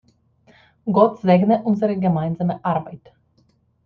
Gott segne unsere gemeinsame Arbeit!